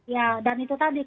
ya dan itu tadi